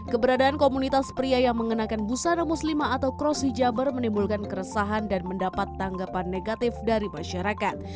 keberadaan komunitas pria yang mengenakan busana muslimah atau cross hijaber menimbulkan keresahan dan mendapat tanggapan negatif dari masyarakat